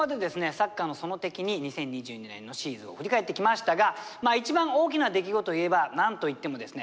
「サッカーの園」的に２０２２年のシーズンを振り返ってきましたが一番大きな出来事といえばなんといってもですね